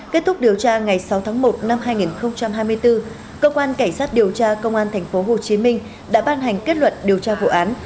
kết thúc điều tra ngày sáu tháng một năm hai nghìn hai mươi bốn cơ quan cảnh sát điều tra công an tp hcm đã ban hành kết luận điều tra vụ án